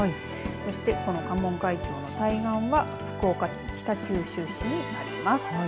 そしてこの関門海峡の対岸は福岡県北九州市になります。